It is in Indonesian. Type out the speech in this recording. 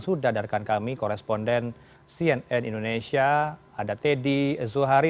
sudah ada rekan kami koresponden cnn indonesia ada teddy zuhari